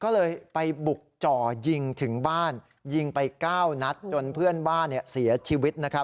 ก็เลยไปบุกจ่อยิงถึงบ้านยิงไป๙นัดจนเพื่อนบ้านเสียชีวิต